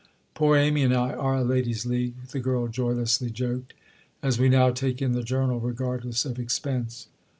"Poor Amy and I are a ladies' league," the girl joylessly joked—"as we now take in the 'Journal' regardless of expense."